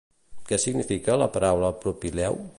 Què significa la paraula "propileu"?